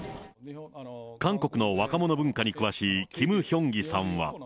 韓国の若者文化に詳しいキム・ヒョンギさんは。